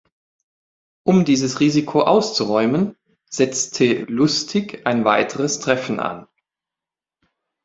Um dieses Risiko auszuräumen, setzte Lustig ein weiteres Treffen an.